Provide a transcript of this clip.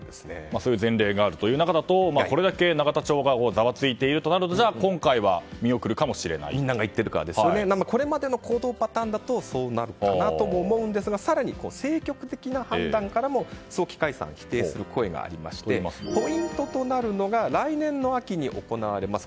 そういう前例がある中だとこれだけ永田町がざわついているとなるとこれまでの行動パターンだとそうなるかなと思うんですが更に政局的な判断からも早期解散否定する声がありましてポイントとなるのが来年の秋に行われます